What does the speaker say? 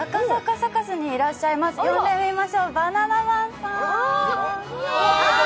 サカスにいらっしゃいます呼んでみましょうバナナマンさん！